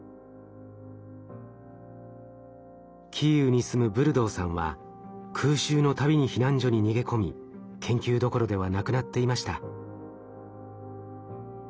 キーウに住むブルドーさんは空襲の度に避難所に逃げ込み研究どころではなくなっていました。